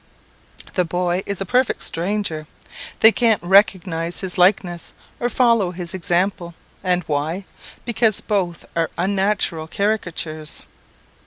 _ The boy is a perfect stranger they can't recognise his likeness, or follow his example and why? because both are unnatural caricatures.